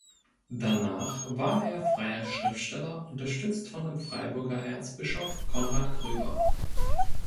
Danach war er freier Schriftsteller, unterstützt von dem Freiburger Erzbischof Conrad Gröber.